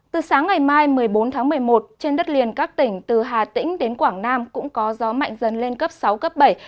từ sáng ngày mai một mươi bốn tháng một mươi một trên đất liền các tỉnh từ hà tĩnh đến quảng nam cũng có gió mạnh dần lên cấp sáu cấp bảy